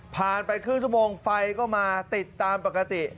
ไปครึ่งชั่วโมงไฟก็มาติดตามปกติ